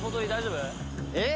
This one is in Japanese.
えっ？